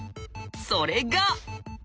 それが！